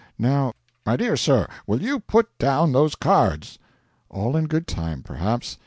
Now ' 'My dear sir, will you put down those cards?' 'All in good time, perhaps.